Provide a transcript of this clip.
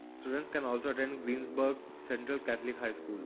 Students can also attend Greensburg Central Catholic High School.